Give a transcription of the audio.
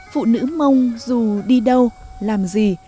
phụ nữ mông dù đi đâu làm gì